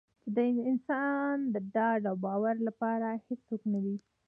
چې د انسان د ډاډ او باور لپاره څوک نه وي.